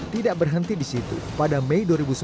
tidak berhenti di situ pada mei dua ribu sebelas